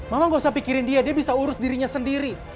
mama gak usah pikirin dia dia bisa urus dirinya sendiri